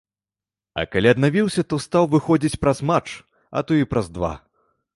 А калі аднавіўся, то стаў выходзіць праз матч, а то і праз два.